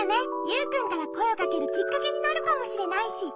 ユウくんからこえをかけるきっかけになるかもしれないし。